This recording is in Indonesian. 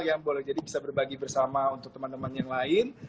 yang boleh jadi bisa berbagi bersama untuk teman teman yang lain